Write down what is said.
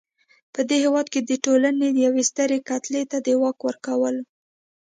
په دې هېواد کې د ټولنې یوې سترې کتلې ته د واک ورکولو.